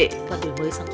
và đổi mới sáng tạo